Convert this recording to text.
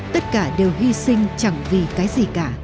tất cả đều hy sinh chẳng vì cái gì cả